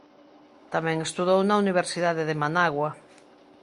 Tamén estudou na Universidade de Managua.